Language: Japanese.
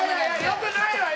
よくないわ！